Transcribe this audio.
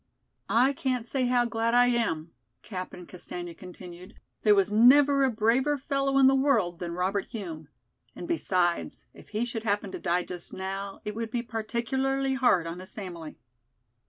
"I can't say how glad I am," Captain Castaigne continued. "There was never a braver fellow in the world than Robert Hume. And besides, if he should happen to die just now, it would be particularly hard on his family.